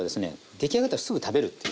出来上がったらすぐ食べるっていう。